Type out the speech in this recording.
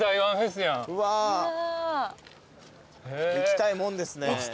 行きたいですね。